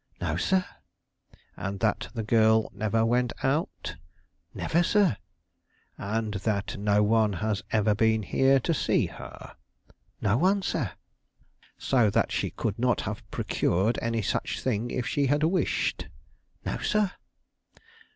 "No, sir." "And that the girl never went out?" "Never, sir." "And that no one has ever been here to see her?" "No one, sir." "So that she could not have procured any such thing if she had wished?" "No, sir."